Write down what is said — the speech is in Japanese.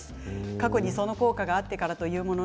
過去にその効果があってからというもの